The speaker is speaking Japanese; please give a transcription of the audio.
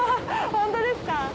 ホントですか？